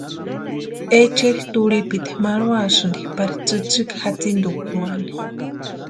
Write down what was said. Echeri turhipiti marhuasïnti pari tsïtsïki jatsintukwaani.